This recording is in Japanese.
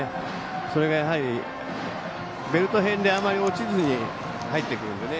それがベルト辺で、あまり落ちずに入ってくるんですよね。